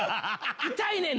「痛いねん！」